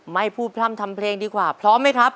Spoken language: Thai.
ไม่พูดพร่ำทำเพลงดีกว่าพร้อมไหมครับ